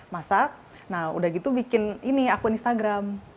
masak nah udah gitu bikin ini akun instagram